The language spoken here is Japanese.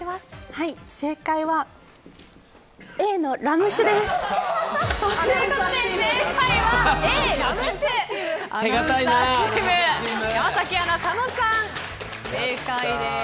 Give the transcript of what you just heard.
正解は、Ａのラム酒です！